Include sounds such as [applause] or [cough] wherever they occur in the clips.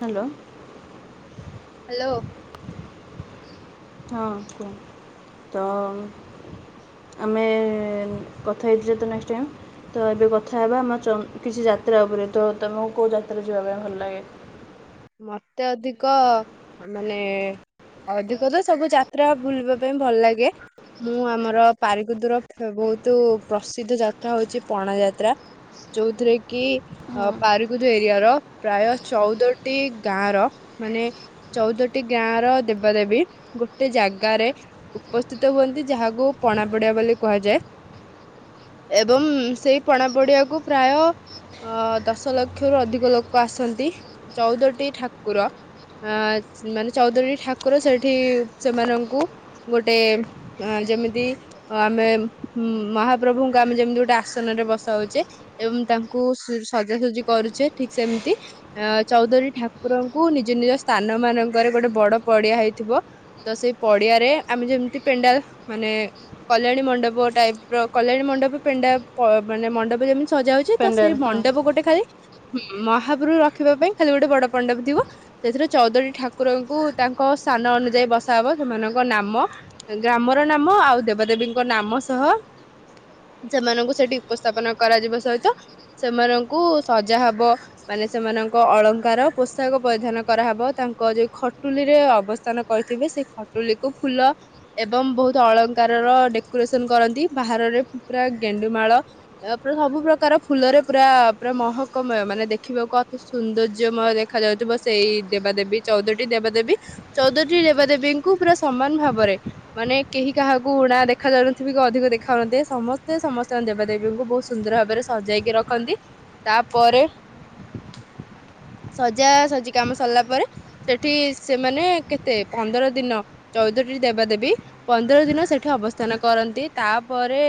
Hello. Hello. ହଁ କୁହ। ତ ଆମେ କଥା ହେଇଥିଲେ ତ ନେକ୍ସଟ ଟାଇମ୍। ତ ଏବେ କଥା ହେବା ଆମ ଚମ୍ କିଛି ଯାତ୍ରା ଉପରେ। ତ ତମକୁ କୋଉ ଯାତ୍ରା ଯିବା ପାଇଁ ଭଲ ଲାଗେ? ମତେ ଅଧିକ, ମାନେ ଅଧିକ ତ ସବୁ ଯାତ୍ରା ବୁଲିବା ପାଇଁ ଭଲ ଲାଗେ। ମୁଁ ଆମର ପାରିକୁଦର ବହୁତୁ ପ୍ରସିଦ୍ଧ ଯାତ୍ରା ହଉଛି ପଣା ଯାତ୍ରା। ଯୋଉଥିରେ କି ହଁ ପାରିକୁଦ ଏରିଆର ପ୍ରାୟ ଚଉଦ ଗୋଟିଏ ଗାଁର, ମାନେ ଚଉଦଟି ଗାଁର ଦେବାଦେବୀ ଗୋଟେ ଜାଗାରେ ଉପସ୍ଥିତ ହୁଅନ୍ତି, ଯାହାକୁ ପଣାପଡିଆ ବୋଲି କୁହାଯାଏ ଏବଂ ସେଇ ପଣା ପଡିଆକୁ ପ୍ରାୟ ଅ ଦଶଲକ୍ଷରୁ ଅଧିକ ଲୋକ ଆସନ୍ତି। ଚଉଦଟି ଠାକୁର। ଆ ମାନେ ଚଉଦଟି ଠାକୁର ସେଠି ସେମାନଙ୍କୁ ଗୋଟେ ଯେମିତି, ଆମେ ମ-ମହାପ୍ରଭୁଙ୍କୁ ଆମେ ଯେମତି ଗୋଟେ ଆସନରେ ବସାଉଚେ ଏବଂ ତାଙ୍କୁ ସଜାସଜି କରୁଚେ ଠିକ ସେମତି, ଅ ଚଉଦଟି ଠାକୁରଙ୍କୁ ନିଜ ନିଜ ସ୍ଥାନ ମାନଙ୍କରେ ଗୋଟେ ବଡ ପଡିଆ ହେଇଥିବ, ତ ସେଇ ପଡିଆରେ ଆମେ ଯେମତି ପେଣ୍ଡାଲ୍, ମାନେ କଲ୍ୟାଣୀ ମଣ୍ଡପ ଟାଇପର କଲ୍ୟାଣୀ ମଣ୍ଡପ ପେଣ୍ଡା ପ ମାନେ ମଣ୍ଡପ ଯେମିତି ସଜା ହଉଛି, ତ ପେଣ୍ଡାଲ ସେଇ ହଁ ମଣ୍ଡପ ଗୋଟେ ଖାଲି ହୁଁ। ମହାପରୁ ରଖିବା ପାଇଁ ଖାଲି ଗୋଟେ ବଡ ପଣ୍ଡପ ଥିବ। ସେଥିରେ ଚଉଦଟି ଠାକୁରଙ୍କୁ ତାଙ୍କ ସାନ ଅନୁଯାୟୀ ବସାହବ। ସେମାନଙ୍କ ନାମ, ଗ୍ରାମର ନାମ ଆଉ ଦେବାଦେବୀଙ୍କ ନାମ ସହ ସେମାନଙ୍କୁ ସେଠି ଉପସ୍ଥାପନା କରାଯିବା ସହିତ, ସେମାନଙ୍କୁ ସଜା ହବ ମାନେ ସେମାନଙ୍କ ଙ୍କ ଅଳଙ୍କାର, ପୋଷାକ ପରିଧାନ କରାହବ, ତାଙ୍କ ଯୋଉ ଖଟୁଲିରେ ଅବସ୍ଥାନ କରିଥିବେ, ସେଇ ଖଟୁଲିକୁୁ ଫୁଲ ଏବଂ ବହୁତ ଅଳଙ୍କାରର ଡେକୋରେସନ କରନ୍ତି। ବାହାରରେ ପୁରା ଗେଣ୍ଡୁମାଳ, ପୁରା ସବୁ ପ୍ରକାରର ଫୁଲରେ ପୁରା ପୁରା ମହକମୟ, ମାନେ ଦେଖିବାକୁ କି ସୌନ୍ଦର୍ଯ୍ୟମୟ ଦେଖା ଯାଉଥିବ, ସେଇ ଦେବାଦେବୀ ଚଉଦଟି ଦେବାଦେବୀ। ଚଉଦଟି ଦେବାଦେବୀଙ୍କୁ ପୁରା ସମାନ ଭାବରେ, ମାନେ କେହି କାହାକୁ ଉଣା ଦେଖା ଯାଉନଥିବେ କି ଅଧିକ ଦେଖାଯାଉନଥିବେ। ସମସ୍ତେ ସମସ୍ତଙ୍କ ଦେବାଦେବୀଙ୍କୁ ବହୁତ ସୁନ୍ଦର ଭାବରେ ସଜାଇକି ରଖନ୍ତି। ତାପରେ ସଜାସଜି କାମ ସରିଲା ପରେ, ସେଠି ସେମାନେ କେତେ ପନ୍ଦର ଦିନ, ଚଉଦଟି ଦେବାଦେବୀ, ପନ୍ଦର ଦିନ ସେଠି ଅବସ୍ଥାନ କରନ୍ତି। ତାପରେ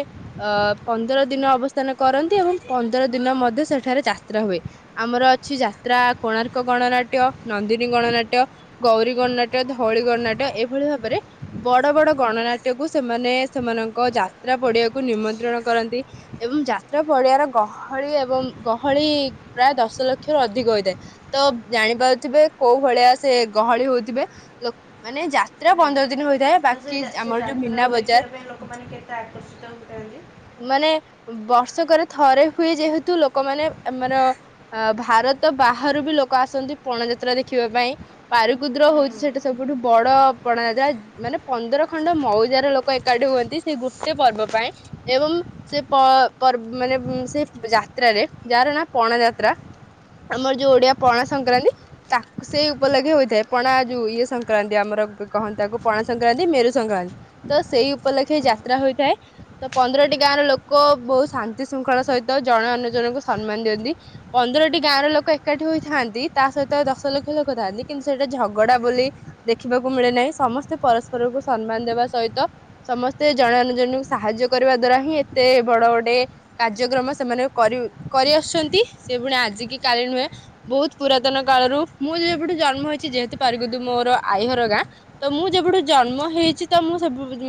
ଅ ପନ୍ଦର ଦିନ ଅବସ୍ଥାନ କରନ୍ତି ଏବଂ ପନ୍ଦର ଦିନ ମଧ୍ୟ ସେଠାରେ ଯାତ୍ରା ହୁଏ। ଆମର ଅଛି ଯାତ୍ରା କୋଣାର୍କ ଗଣନାଟ୍ୟ, ନନ୍ଦିନୀ ଗଣନାଟ୍ୟ, ଗୌରୀ ଗଣନାଟ୍ୟ, ଧଉଳି ଗଣନାଟ୍ୟ। ଏହିଭଳି ଭାବରେ ବଡ ବଡ ଗଣନାଟ୍ୟକୁ ସେମାନେ ସେମାନଙ୍କ ଯାତ୍ରା ପଡିଆକୁ ନିମନ୍ତ୍ରଣ କରନ୍ତି। ଏବଂ ଯାତ୍ରା ପଡିିଆର ଗହଳି ଏବଂ ଗହଳି ପ୍ରାୟ ଦଶଲକ୍ଷରୁ ଅଧିକ ହୋଇଥାଏ। ତ ଜାଣିପାରୁଥିବେ କୋଉ ଭଳିଆ ସିଏ ଗହଳି ହଉଥିବେ। ଲୋକ୍ ମାନେ ଯାତ୍ରା ପନ୍ଦର ଦିନ ହୋଇ ତ ସେ ଯା, ସେ ଯାତ୍ରା କୁ ଦେଖିବା ପାଇଁ ଲୋକମାନେ କେତେ ଆକର୍ଷ ର୍ଷିତ ହୋଇଥାନ୍ତି? ମାନେ ବର୍ଷକରେ ଥରେ ହୁଏ ଯେହେତୁ ଲୋକମାନେ ଆମର ଭାରତ ବାହାରୁ ବି ଲୋକ ଆସନ୍ତି। ପଣାଯାତ୍ରା ଦେଖିବା ପାଇଁ। ପାରକୁଦ ହଉଛି ହୁଁ ସେଟା ସବୁଠୁ ବଡ ପଣାଯାତ୍ରା ମାନେ ପନ୍ଦର ଖଣ୍ଡ ମଉଜାର ଲୋକ ଏକାଠି ହୁଅନ୍ତି। ସେଇ ଗୋଟେ ପର୍ବ ପାଇଁ। ଏବଂ ସେ ପ ପର୍ବ ମାନେ ସେ ଯାତ୍ରାରେ ଯାହାର ନା ପଣା ଯାତ୍ରା। ଆମର ଯୋଉ ଓଡିଆ ପଣା ସଂକ୍ରାନ୍ତି ତା ସେଇ ଉପଲକ୍ଷେ ହୋଇଥାଏ। ପଣା ଯୋଉ ଇଏ ସଂକ୍ରାନ୍ତି ଆମର କହନ୍ନ୍ତି ତାକୁ ପଣା ସଂକ୍ରାନ୍ତି ମେରୁ ସଂକ୍ରାନ୍ତି ତ ସେଇ ଉପଲକ୍ଷେ ଯାତ୍ରା ହୋଇଥାଏ। ତ ପନ୍ଦରଟି ଗାଁର ଲୋକ ବହୁତ ଶାନ୍ତି ଶୃଙ୍ଖଳା ସହିତ। ଜଣେ ଅନନ୍ୟୁ ଜଣଙ୍କୁ ସମ୍ମାନ ଦିଅନ୍ତି। ପନ୍ଦରଟି ଗାଁର ଲୋକ ଏକାଠି ହୋଇଥାନ୍ତି। ତା ସହିତ ଦଶ ଲକ୍ଷ ଲୋକ ଥାନ୍ତି କିନ୍ତୁ ସେଇଟା ଝଗଡା ବୋଲି ଦେଖିବାକୁ ମିଳେ ନାହିଁ। ସମସ୍ତେ ପରସ୍ପରକୁ ସମ୍ମାନ ଦେବା ସହିତ ସମସ୍ତେ ଜଣେ ଅନୁ ଜଣଙ୍କୁ ସାହାଯ୍ୟ କରିବା ଦ୍ଵାରା ହିଁ ଏତେ ବଡ ଗୋଟେ କାର୍ଯ୍ୟକ୍ରମ ସେମାନେ କରି କରି ଆସୁଛନ୍ତି। ସେ ପୁଣି ଆଜିକି କାଲି ନୁହେଁ ବହୁତ ପୁରାତନ କାଳରୁ ମୁଁ ଯେପେଠୁ ଜନ୍ମ ହେଇଛି। ଯେହେତୁ ପାରିକୁଦ ମୋର ଆଇହର ଗାଁ ତ ମୁଁ ଯେବେଠୁ ଜନ୍ମ ହେଇଛି। ତ ମୁଁ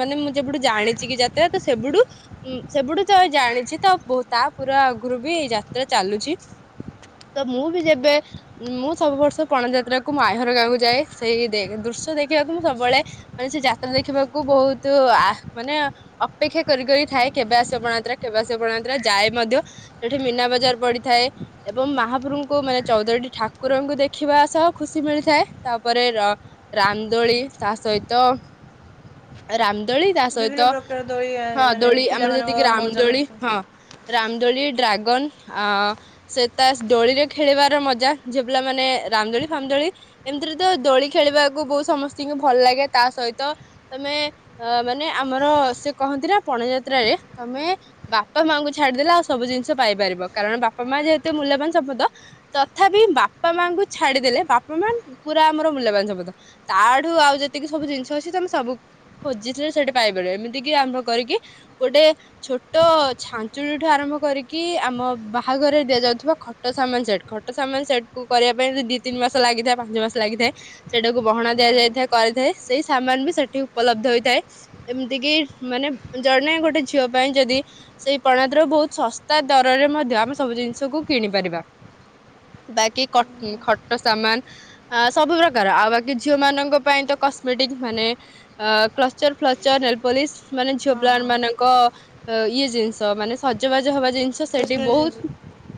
ମାନେ ମୁଁ ଯେଠୁ ଜାଣିଛି କି ଯାତ୍ରା ତ ସେବୁଠୁ ସେବୁଠୁ ତ ଜାଣିଛି। ତ ତା ପୁରା ଆଗରୁ ବି ଏଇ ଯାତ୍ରା ଚାଲୁଛି। ତ ମୁଁ ବି ଯେବେ ମୁଁ ସବୁ ବର୍ଷ ପଣା ଯାତ୍ରାକୁ ମୋ ଆଇହର ଗାଁକୁ ଯାଏ ସେଇ ଦୃଶ୍ୟ ଦେଖିବାକୁ। ମୁଁ ସବୁବେଳେ ମାନେ ସେ ଯାତ୍ରା ଦେଖିବାକୁ। ବହୁତ ଆ ମାନେ ଅପେକ୍ଷା କରି କରି ଥାଏ କେବେ ଆସିବ ପଣାତ୍ରା କେବେ ଆସିବ ପଣାତ୍ରା। ଯାଏ ମଧ୍ୟ ସେଠି ମୀନା ବଜାର ପଡିଥାଏ। ଏବଂ ମହାପ୍ରଭୁଙ୍କୁ ମାନେ ଚଉଦରୀଟି ଠାକୁରଙ୍କୁ ଦେଖିବା ସହ ଖୁସି ମିଳିଥାଏ। ତାପରେ ରାନ୍ଦୋଳି ତା ସହିତ ରାମ୍ ଦୋଳି ତା ବିଭିନ୍ନ ସହିତ ପ୍ରକାର ଦୋଳି ଆ, ହଁ ମାନେ ଦୋଳି। ଆମର ପିଲାମାନଙ୍କ ଯେତିକି ରାମ ମଉଜ ଦୋଳି ମସ୍ତି ହଁ। ରାମଦୋଳି ଡ୍ରାଗନ ଆ ସେ ତା ଦୋଳିରେ ଖେଳିବାର ମଜା। ଝିଅ ପିଲା ମାନେ ରାମଦୋଳି ଫାମଦୋଳି ଏମିତିରେ ତ ଦୋଳି ଖେଳିବାକୁ ବହୁତ ସମସ୍ତିଙ୍କୁ ଭଲ ଲାଗେ ତା ସହିତ ତମେ ଅ ମାନେ ଆମର ସେ କହନ୍ତି ନା ପଣାଯାତ୍ରରେ ତମେ ବାପା ମାଙ୍କୁ ଛାଡିଦେଲେ। ଆଉ ସବୁ ଜିନିଷ ପାଇପାରିବ। କାରଣ ବାପା ମା ଯେହେତୁ ମୂଲ୍ୟବାନ ସମ୍ପଦ। ତଥାପି ବାପା ମାଙ୍କୁ ଛାଡିଦେଲେ ବାପା ମା ପୁରା ଆମର ମୂଲ୍ୟବାନ ସମ୍ପଦ ତା ଆଡୁ ଆଉ ଯେତିକି ସବୁ ଜିନିଷ ଅଛି। ତମେ ସବୁ ଖୋଜିଥିଲେ ସେଠି ପାଇପାରିବ। ଏମିତି କିି ଆରମ୍ଭ କରିକି ଗୋଟେ ଛୋଟ ଛାଞ୍ଚୁଣି ଠୁ ଆରମ୍ଭ କରିକି ଆମ ବାହାଘରରେ ଦିଆଯାଉଥିବା। ଖଟ ସାମାନ ସେଟ ଖଟ ସାମାନ ସେଟ କୁ କରିବା ପାଇଁ ଦି ତିନି ମାସ ଲାଗିଥାଏ। ପାଞ୍ଚ ମାସ ଲାଗିଥାଏ ସେଟାକୁ ବହଣ ଦିଆଯାଇଥାଏ କରିଥାଏ ସେଇ ସାମାନ ବି ସେଠି ଉପଲବ୍ଧ ହୋଇଥାଏ। ଏମିତି କିି ମାନେ ଜଣେ ଗୋଟେ ଝିଅ ପାଇଁ ଯଦି ସେଇ ପଣାତ୍ରା ରୁ ବହୁତ ଶସ୍ତା ଦରରେ ମଧ୍ୟ ଆମେ ସବୁ ଜିନିଷକୁ କିଣି ପାରିବା। ବାକି ଖ ଖଟ ସାମାନ ସବୁ ପ୍ରକାର ଆଉ ବାକି ଝିଅ ମାନଙ୍କ ପାଇଁ ତ କସ୍ମେଟିକ ମାନେ ଅ କ୍ଲଚର ଫ୍ଲଚର ନେଲପୋଲିସ୍ ମାନେ ଝିଅ ହଁ ହଁ ପିଲାମାନଙ୍କ ଇଏ ଜିନିଷ ମାନେ ସଜବାଜ ହବା ଜିନିଷ। ଆଛା ସେଠି ଷ୍ଟେସନାରୀ ଜିନିଷ ବହୁତ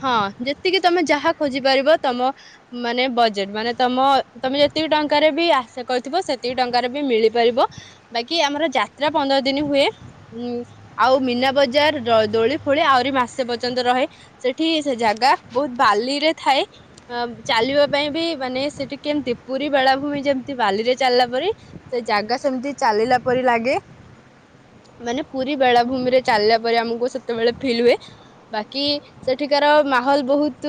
ହଁ। ଯେତିକି ତମେ ଯାହା ଖୋଜି ପାରିବ। ତମ ମାନେ ବଜେଟ ମାନେ ତମ ତମେ ଯେତିକି ଟଙ୍କାରେ ବି ଆଶା କରିଥିବ। ସେତିକି ଟଙ୍କାରେ ବି ମିଳିପାରିବ। ବାକି ଆମର ଯାତ୍ରା ପନ୍ଦର ଦିନ ହୁଏ। ଉଁ ଆଉ ମୀନା ବଜାର ଦୋଳି ଫୋଳି ଆହୁରି ମାସେ ପର୍ଯ୍ୟନ୍ତ ରହେ। ସେଠି ସେ ଜାଗା ବହୁତ ବାଲିରେ ଥାଏ ଅ ଚାଲିବା ପାଇଁ ବି ମାନେ ସେଠି କେମିତି ପୁରୀ ବେଳାଭୂମି ଯେମିତି ବାଲିରେ ଚାଲିଲା ପରେ ସେ ଜାଗା ସେମିତି ଚାଲିଲା ପରି ଲାଗେ ମାନେ ପୁରୀ ବେଳାଭୂମି ରେ ଚାଲିଲା ପରି। ଆମକୁ ସେତେବେଳେ ଫିଲ୍ ହୁଏ। ବାକି ସେଠିକାର ମାହୋଲ ବହୁତ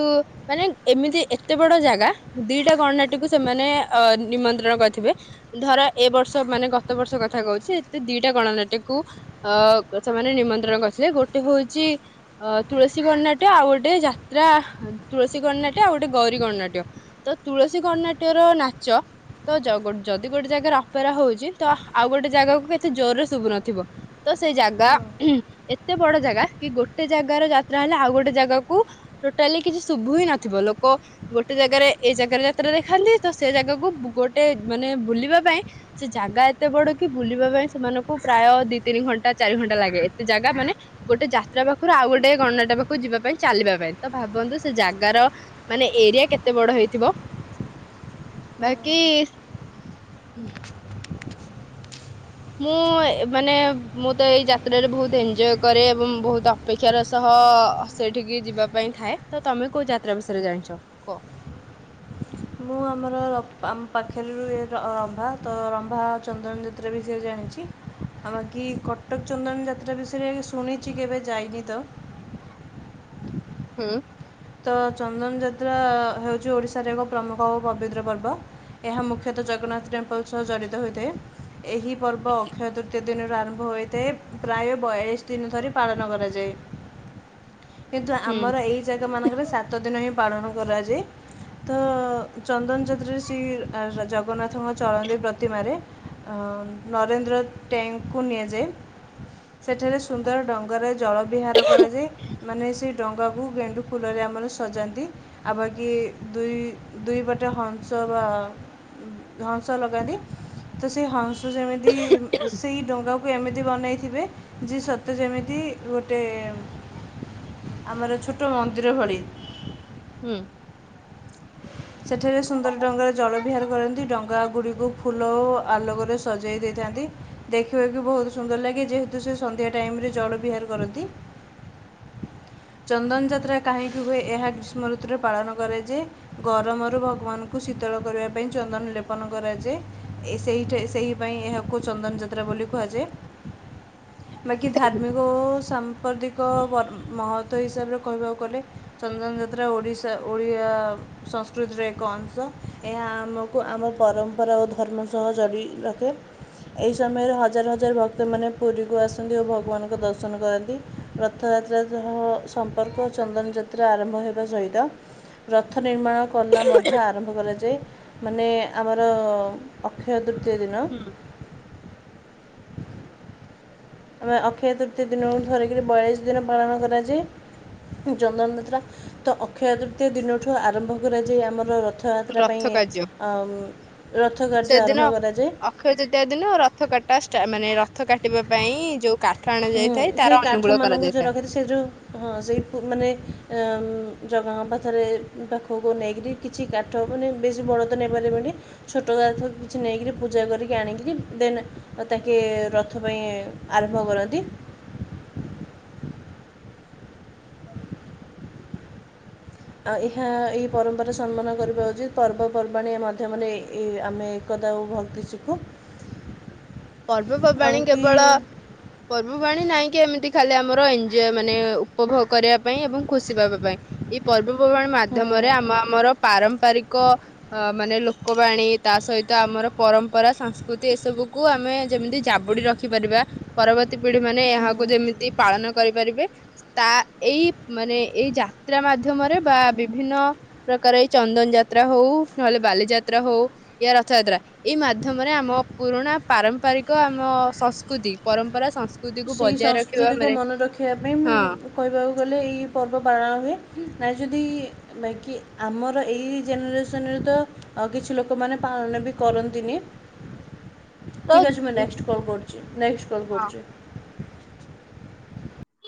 ମାନେ ଏମିତି ଏତେ ବଡ ଜାଗା ଦିଟା ଗଣନାଟ୍ୟ କୁ ସେମାନେ ଅ ନିମନ୍ତ୍ରଣ କରିଥିବେ। ଧର ଏ ବର୍ଷ ତ ମାନେ ଗତ ବର୍ଷ କଥା କହୁଛି। ଦିଟା ଗଣନାଟ୍ୟ କୁ ଅ ସେମାନେ ନିମନ୍ତ୍ରଣ କରିଥିଲେ। ଗୋଟେ ହଉଛି ଅ ତୁଳସୀ ଗଣନାଟ୍ୟ ଆଉ ଗୋଟେ ଯାତ୍ରା ତୁଳସୀ ଗଣନାଟ୍ୟ। ଆଉ ଗୋଟେ ଗୌରୀ ଗଣନାଟ୍ୟ। ତ ତୁଳସୀ ଗଣନାଟ୍ୟ ର ନାଚ ତ ଗ ଯଦି ଗୋଟେ ଜାଗାରେ କରା ହଉଛି। ତ ଆଉ ଗୋଟେ ଜାଗାକୁ କେତେ ଜୋରରେ ଶୁଭୁନଥିବ ତ ସେ ଜାଗାଁ ହଁ ଏତେ ବଡ ଜାଗା କି ଗୋଟେ ଜାଗାର ଯାତ୍ରା ହେଲେ ଆଉ ଗୋଟେ ଜାଗାକୁ ଟୋଟାଲି କିଛି ଶୁଭୁ ହିଁ ନଥିବ। ଲୋକ ଗୋଟେ ଜାଗାରେ ଏଇ ଜାଗାରେ ଯାତ୍ରା ଦେଖନ୍ତି। ତ ସେ ଜାଗାକୁ ଗୋଟେ ମାନେ ବୁଲିବା ପାଇଁ। ସେ ଜାଗା ଏତେ ବଡ କି ବୁଲିବା ପାଇଁ ସେମାନଙ୍କୁ ପ୍ରାୟ ଦି ତିନି ଘଣ୍ଟା ଚାରି ଘଣ୍ଟା ଲାଗେ। ଏତେ ଜାଗା ମାନେ ଗୋଟେ ଯାତ୍ରା ପାଖରୁ ଆଉ ଗୋଟେ ଗଣନାଟ୍ଯ ପାଖରୁ ଯିବା ପାଇଁ ଚାଲିବା ପାଇଁ ତ ଭାବନ୍ତୁ। ସେ ଜାଗାର ମାନେ ଏରିଆ କେତେ ବଡ ହେଇଥିବ। ବାକି ମୁଁ ମାନେ ମୁଁ ତ ଏଇ ଯାତ୍ରାରେ ବହୁତ ଏଞଜୟ କରେ। ଏବଂ ବହୁତ ଅପେକ୍ଷାର ସହ ସେଠିକି ଯିବା ପାଇଁ ଥାଏ। ତ ତମେ କୋଉ ଯାତ୍ରା ବିଷୟରେ ଜାଣିଛ କୁହ। ମୁଁ ଆମର ର ଆମ ପାଖରେ ରୁହେ ର ରମ୍ଭା ତ ରମ୍ଭା ଚନ୍ଦନ ଯାତ୍ରା ବିଷୟରେ ଜାଣିଛି। ଆଉବାକି କଟକ ଚନ୍ଦନ ଯାତ୍ରା ବିଷୟରେ ଏମି ଶୁଣିଛି। କେବେ ଯାଇନି ତ। ହୁଁ। ତ ଚନ୍ଦନ ଯାତ୍ରା ହେଉଛି ଓଡ଼ିଶାର ଏକ ପ୍ରମୁଖ ଓ ପବିତ୍ର ପର୍ବ। ଏହା ମୁଖ୍ୟତଃ ଜଗନ୍ନାଥ ଟେମ୍ପୁଲ୍ ସହ ଜଡ଼ିତ ହୋଇଥାଏ। ଏହି ପର୍ବ ଅକ୍ଷୟତୃତୀୟା ଦିନରୁ ଆରମ୍ଭ ହୋଇଥାଏ। ପ୍ରାୟ ବୟାଳିଶ ଦିନ ଧରି ପାଳନ କରାଯାଏ। କିନ୍ତୁ ହୁଁ ଆମର ଏଇ ଜାଗା ମାନଙ୍କରେ ସାତ ଦିନ ହିଁ ପାଳନ କରାଯାଏ। ତ ଚନ୍ଦନଯାତ୍ରରେ ସେ ଜଗନ୍ନାଥ ଥଙ୍କ ଚଳନ୍ତି ପ୍ରତିମାରେ। ନରେନ୍ଦ୍ର ଟ୍ୟାଙ୍କକୁ ନିଆଯାଏ। ସେଠାରେ ସୁନ୍ଦର ଡଙ୍ଗାର ଜଳ ବିହାର କରାଯାଏ। ମାନେ ସେ ଡଙ୍ଗାକୁ ଗେଣ୍ଡୁ ଫୁଲରେ ଆମର ସଜାନ୍ତି। ଆଉବାକି ଦୁଇ ଦୁଇପଟେ ହଂସ ବା ହଂସ ଲଗାନ୍ତି। ତ ସେଇ ହଂସ ତ ଯେମିତି ସେଇ ଡଙ୍ଗାକୁ ଏମିତି ବନେଇଥିବେ। ଯେ ସତେ ଯେମିତି ଗୋଟେ ଆମର ଛୋଟ ମ [inaudible] ହୁଁ, ସେଠାରେ ସୁନ୍ଦର ଡଙ୍ଗାରେ ଜଳ ବିହାର କରନ୍ତି ଡଙ୍ଗା ଗୁଡିକୁ ଫୁଲ ଓ ଆଲୋକରେ ସଜେଇ ଦେଇ, ଦିଅନ୍ତି, ଦେଖିବାକୁ ବହୁତ ସୁନ୍ଦର ଲାଗେ ଯେହେତୁ ସେ ସନ୍ଧ୍ୟା ଟାଇମରେ ଜଳ ବିହାର କରନ୍ତି, ଚନ୍ଦନ ଯାତ୍ରା କାହିଁକି ହୁଏ? ଏହା ଗ୍ରୀଷ୍ମ ଋତୁରେ ପାଳନ କରାଯାଏ ଗରମରୁ ଭଗବାନଙ୍କୁ ଶୀତଳ କରିବା ପାଇଁ ଚନ୍ଦନ ଲେପନ କରାଯାଏ, ଏ ସେ ସେହିପାଇଁ ଏହାକୁ ଚନ୍ଦନ ଯାତ୍ରା ବୋଲି କୁହାଯାଏ। ବାକି ଧାର୍ମିକ ଓ ସାମ୍ପ୍ରତିକ ମହତ୍ୱ ହିସାବରେ କହିବାକୁ ଗଲେ ଚନ୍ଦ୍ରନ ଯାତ୍ରା ଓଡ଼ିଶା ଓଡ଼ିଆ ସଂସ୍କୃତିର ଏକ ଅଂଶ ଏହା ଆମକୁ ଆମ ପରମ୍ପରା ଓ ଧର୍ମ ସହ ଜଗିକି ରଖେ ଏହି ସମୟରେ ହଜାର ହଜାର ଭକ୍ତମାନେ ପୁରୀ କୁ ଆସନ୍ତି ଓ ଭଗବାନଙ୍କ ଦର୍ଶନ କରନ୍ତି। ରଥଯାତ୍ରା ସହ ସମ୍ପର୍କ ଚନ୍ଦନଯାତ୍ରା ଆରମ୍ଭ ହେବା ସହିତ ରଥ ନିର୍ମାଣ କଲା ମଧ୍ୟ ଆରମ୍ଭ କରାଯାଏ, ମାନେ ଆମର ଅକ୍ଷୟ ତୃତୀୟ ଦିନ ହୁଁ ଆମେ ଅକ୍ଷୟ ତୃତୀୟ ଦିନ ଧରିକିରି ବୟାଳିଶ ଦିନ ପାଳନ କରାଯାଏ ଚନ୍ଦନଯାତ୍ରା ତ ଅକ୍ଷୟ ତୃତୀୟ ଦିନଠୁ ଆରମ୍ଭ କରାଯାଏ ଆମର ର ରଥ କାର୍ଯ୍ୟ ରଥ କାର୍ଯ୍ୟ ଆରମ୍ଭ ସେଦିନ କରାଯାଏ ଅକ୍ଷୟ ତୃତୀୟା ଦିନ ରଥ କାଟା ସ୍ଟାଟ ମାନେ ରଥ କାଟିବା ପାଇଁ ଯେଉଁ ହୁଁ ସେ କାଠ ମାନଙ୍କୁ ଯିଏ ରଖିଛି ସେ ଯେଉ ହଁ ସେଇ ମାନେ ଜଗାଙ୍କ ପାଥରେ ପାଖକୁ ନେଇକରି କିଛି କାଠ ମାନେ ବେଶୀ ବଡ଼ ତ ନେବାରେ ମ ଛୋଟ ଗଥ କିଛି ନେଇକରି ପୂଜା କରିକି ଆଣିକରି ଦେନ୍ ତାକେ ରଥ ପାଇଁ ଆରମ୍ଭ କରନ୍ତି। ନ୍ତି ହଁ ଆଉ ଏହା ଏଇ ପରମ୍ପରା ସମ୍ମାନ କରିବା ଉଚିତ ପର୍ବପର୍ବାଣିଆ ମାଧ୍ୟମରେ ଆମେ ଏକତା ଓ ଭକ୍ତି ଶିଖୁ। ଆଉ ପର୍ବପର୍ବାଣୀ କି କେବଳ ପର୍ବପର୍ବାଣି ନାଇଁ କି ଏମିତି ଖାଲି ଆମର ଏନ ଯେ ମାନେ ଉପଭୋଗ କରିବା ପାଇଁ ଏବଂ ଖୁସି ପାଇବା ପାଇଁ ଏଇ ପର୍ବ ପର୍ବପର୍ବାଣି ମାଧ୍ୟମରେ ଆମ ଆମର ପାରମ୍ପରିକ ଅ ମାନେ ଲ ଲୋକବାଣୀ ତା ସହିତ ଆମର ପରମ୍ ପରା ସଂସ୍କୃତି ଏସବୁକୁ ଆମେ ଯେମିତି ଜାବୁଡି ରଖି ପାରିବା ପରବର୍ତ୍ତୀ ପିଢ଼ି ମାନେ ଏହାକୁ ଯେମିତି ପାଳନ କରିପାରିବେ ତା ଏଇ ମାନେ ଏଇ ଯାତ୍ରା ମାଧ୍ୟମରେ ବା ବିଭିନ୍ନ ପ୍ରକାର ଏଇ ଚନ୍ଦନ ଯାତ୍ରା ହଉ ନହେଲେ ବାଲିଯାତ୍ରା ହଉ ୟା ରଥ ଯାତ୍ରା ଏଇ ମାଧ୍ୟମରେ ଆମ ପୁରୁଣା ପାରମ୍ପରିକ ଆମ ସଂସ୍କୃତି ପରମ୍ପରା ସଂସ୍ ସେହି ସଂସ୍କୃତିକୁ ମନେ ରଖିବା ପାଇଁ ମୁ ହଁ କହିବାକୁ ଗଲେ ଏଇ ପର୍ବ ପାଳନ ହୁଏ। ନାଇ ଯଦି ବାକି ଆମର ଏଇ ଜେନେରେସନରେ ତ କିଛି ଲୋକମାନେ ପାଳନ ବି କରନ୍ତିନି। ତ ଠିକ୍ ଅଛି ମୁଁ ନେକ୍ସଟ୍ କଲ୍ କରୁଛି ନେକ୍ସଟ୍ କଲ୍ ହଁ କରୁଛି।